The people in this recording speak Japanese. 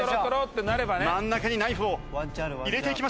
真ん中にナイフを入れていきました。